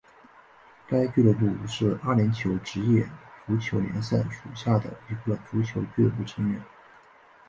该俱乐部是阿联酋职业足球联赛属下的一个足球俱乐部成员。